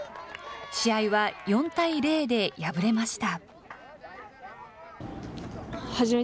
試合は４対０で敗れました。